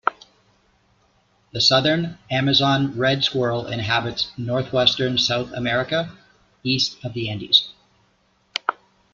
The southern Amazon red squirrel inhabits north-western South America east of the Andes.